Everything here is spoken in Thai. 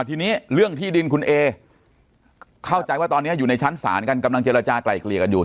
ทีนี้เรื่องที่ดินคุณเอเข้าใจว่าตอนนี้อยู่ในชั้นศาลกันกำลังเจรจากลายเกลี่ยกันอยู่